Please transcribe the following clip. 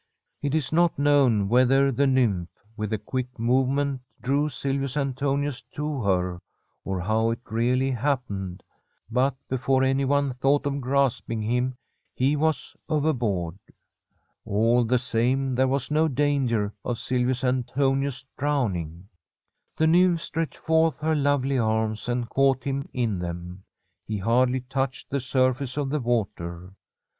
It is not known whether the nymph, with a quick movement, drew Silvius Antonius to her, or how it really happened, but before anyone thought of grasp ing him, he was overboard. All the same, there was no danger of Silvius Antonius drowning. The nymph stretched forth her lovely arms and caught him in them. He hardly touched the surface of the water.